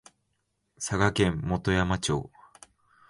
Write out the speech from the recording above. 佐賀県基山町